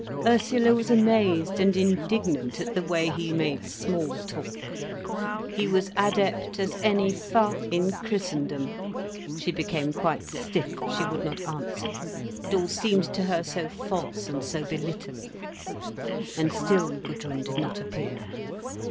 Ursula was amazed and indignant at the way he made small talk; he was adept as any fat in Christendom. She became quite stiff, she would not answer. It all seemed to her so false and so belittling. And still Gudrun did not appear.